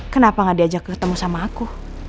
kenapa gak diajak ketemu sama aku